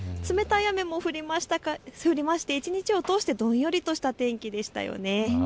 冷たい雨も降りまして一日を通してどんよりとした天気でしたよね。